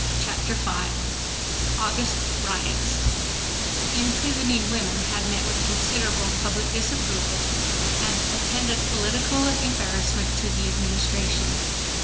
Chapter 5 August Riots Imprisoning women had met with considerable public disapproval, and attendant political embarrassment to the Administration.